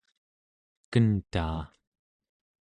kentaa